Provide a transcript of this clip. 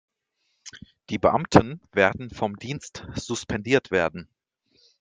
Die Beamten werden vom Dienst suspendiert werden.